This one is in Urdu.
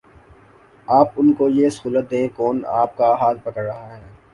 آپ ان کو یہ سہولت دیں، کون آپ کا ہاتھ پکڑ رہا ہے؟